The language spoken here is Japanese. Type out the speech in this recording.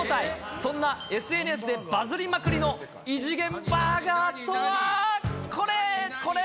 そんなＳＮＳでバズりまくりの異次元バーガーとは、これ、これ。